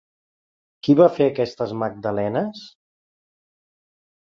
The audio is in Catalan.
Qui va fer aquestes magdalenes?